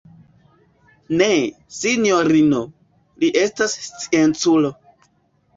Ne, sinjorino: li estas scienculo.